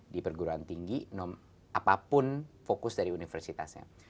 di perguruan tinggi apapun fokus dari universitasnya